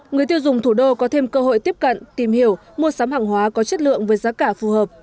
người tiêu dùng thủ đô có thêm cơ hội tiếp cận tìm hiểu mua sắm hàng hóa có chất lượng với giá cả phù hợp